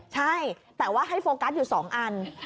ใช่แต่ว่าให้โฟกัสอยู่๒อัน